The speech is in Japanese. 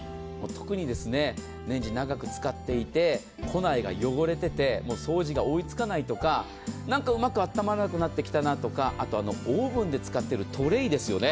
特にレンジ、長く使っていて庫内が汚れていて掃除が追いつかないとかうまくあったまらなくなってきたなとかオーブンで使っているトレイですよね。